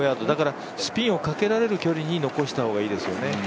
だからスピンをかけられる距離に、残した方がいいですよね。